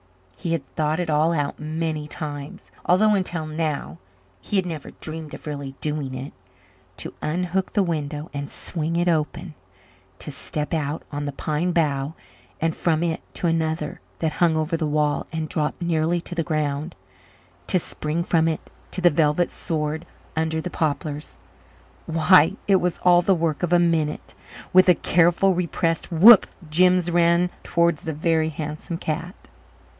He had thought it all out many times, although until now he had never dreamed of really doing it. To unhook the window and swing it open, to step out on the pine bough and from it to another that hung over the wall and dropped nearly to the ground, to spring from it to the velvet sward under the poplars why, it was all the work of a minute. With a careful, repressed whoop Jims ran towards the Very Handsome Cat.